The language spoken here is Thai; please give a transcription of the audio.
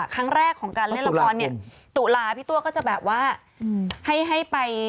ครั้งแรกของการเล่นละครเนี่ยตุลาพี่ตัวก็จะแบบว่าให้ไป